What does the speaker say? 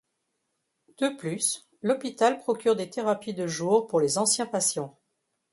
De plus, l'hôpital procure des thérapies de jour pour les anciens patients.